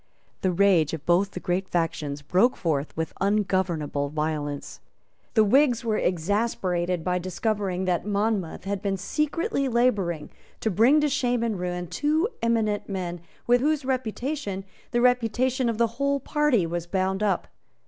The rage of both the great factions broke forth with ungovernable violence. The Whigs were exasperated by discovering that Monmouth had been secretly labouring to bring to shame and ruin two eminent men with whose reputation the reputation of the whole party was bound up.